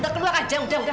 keluar aja udah udah udah